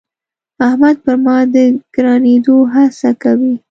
احمد پر ما د ګرانېدو هڅه کوي.